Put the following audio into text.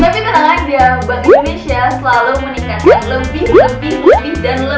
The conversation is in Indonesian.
nah tapi tuh ya sebenernya baik lagi buat kita sih kalo kita gak waspada ya mau dimana